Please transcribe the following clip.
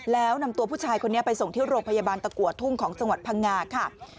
แล้วนำตัวผู้ชายคนนี้ไปส่งที่โรงพยาบาลตะกัวทุ่งของจังหวัดพังงาค่ะ